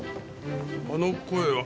あの声は。